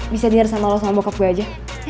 bisa diner sama lo sama bokap gue aja